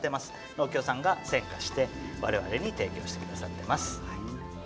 農協さんが選果して、我々に提供してくださってます。